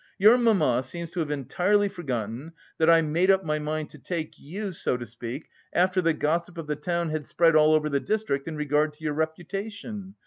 "Your mamma seems to have entirely forgotten that I made up my mind to take you, so to speak, after the gossip of the town had spread all over the district in regard to your reputation.